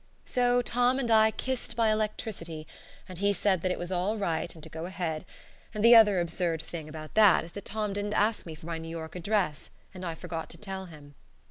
So Tom and I kissed by electricity, and he said that it was all right, and to go ahead, and the other absurd thing about that is that Tom didn't ask me for my New York address, and I forgot to tell him.